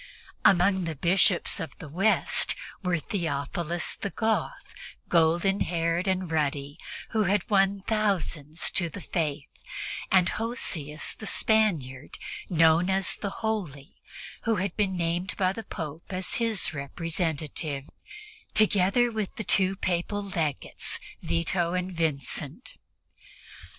Among the Bishops of the West were Theophilus the Goth, golden haired and ruddy, who had won thousands to the Faith; and Hosius the Spaniard, known as "the holy," who had been named by the Pope as his representative; together with the two Papal Legates, Vito and Vincent.